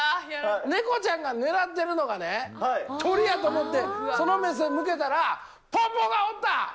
猫ちゃんが狙ってるのがね、鳥やと思って、その目線向けたら、ポッポがおった。